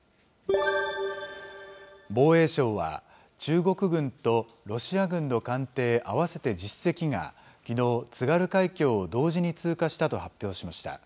防衛省は、中国軍とロシア軍の艦艇合わせて１０隻が、きのう、津軽海峡を同時に通過したと発表しました。